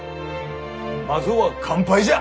まずは乾杯じゃ！